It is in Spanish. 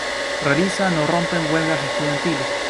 Realizan o rompen huelgas estudiantiles.